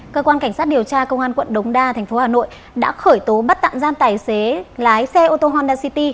cơ quan cảnh sát điều tra công an quận đống đa thành phố hà nội đã khởi tố bắt tạm giam tài xế lái xe ô tô honda city